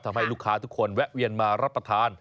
ทำให้ลูกค้าทุกคนแวะเวียนมารับประทาน